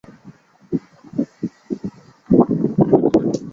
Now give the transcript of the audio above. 军用和民用飞机都可以使用敌友识别系统。